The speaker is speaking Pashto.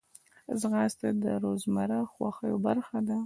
ځغاسته د روزمره خوښیو برخه ده